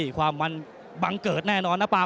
หกไฟล์หลังยังแพ้ใครไม่เป็นนะครับ